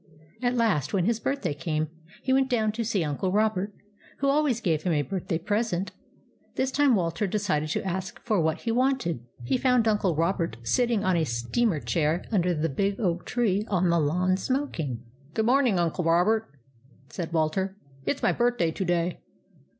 At last when his birthday came, he went down to see Uncle Robert, who always gave him a birthday present. This time Walter decided to ask for what he wanted. He found Uncle Robert sitting on a steamer chair under the big oak tree on the lawn, smoking. u Good morning, Uncle Robert," said Walter. " It 's my birthday to day."